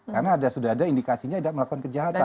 karena sudah ada indikasinya melakukan kejahatan